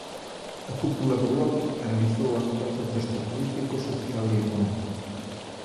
A cúpula do Bloque analizou o actual contexto político, social e económico.